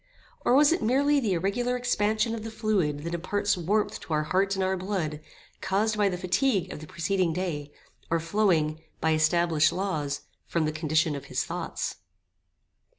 Or, was it merely the irregular expansion of the fluid that imparts warmth to our heart and our blood, caused by the fatigue of the preceding day, or flowing, by established laws, from the condition of his thoughts?